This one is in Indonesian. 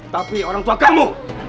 tapi orang tua kamu